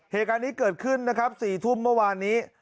เหตุการณ์นี้เกิดขึ้นนะครับ๔ทุ่มเมื่อวานนี้